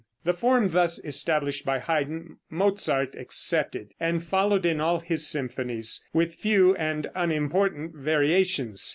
The form thus established by Haydn, Mozart accepted, and followed in all his symphonies, with few and unimportant variations.